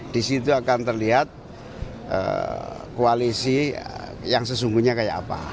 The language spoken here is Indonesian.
di situ akan terlihat koalisi yang sesungguhnya kayak apa